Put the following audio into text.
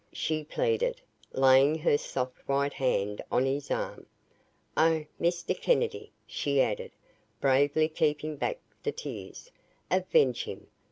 she pleaded, laying her soft white hand on his arm. "Oh, Mr. Kennedy," she added, bravely keeping back the tears, "avenge him!